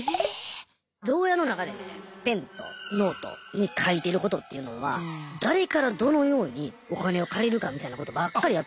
ろう屋の中でねペンとノートに書いてることっていうのは誰からどのようにお金を借りるかみたいなことばっかり書いてるんすよ。